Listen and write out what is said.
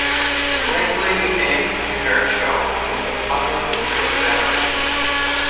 Ridley Haim Herschell was the father of the first Baron.